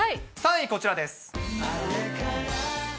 ３位、こちらです。